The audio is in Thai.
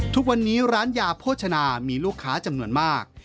ทุกวันนี้ร้านยาโภชนามีลูกค้าจำนวนมาก